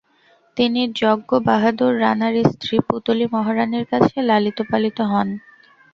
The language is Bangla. তিনি জঙ্গ বাহাদুর রাণার স্ত্রী পুতলি মহারাণীর কাছে লালিত পালিত হন।